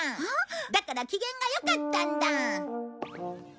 だから機嫌がよかったんだ。